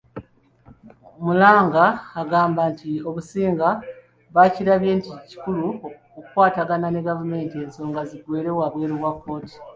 Muranga agamba ng'Obusinga bakirabye nti kikulu okukwatagana ne gavumenti ensonga ziggweere wabweru wa kkooti.